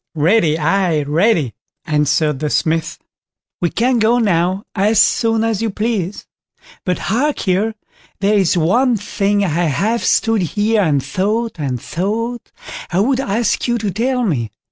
"Ready, aye, ready", answered the Smith; "we can go now as soon as you please; but hark ye, there is one thing I have stood here and thought, and thought, I would ask you to tell me.